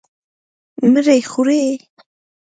_مړۍ خورې؟